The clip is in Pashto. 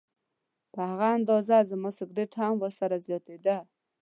په هغه اندازه زما سګرټ هم ورسره زیاتېدل.